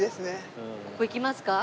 ここ行きますか？